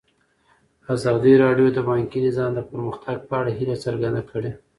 ازادي راډیو د بانکي نظام د پرمختګ په اړه هیله څرګنده کړې.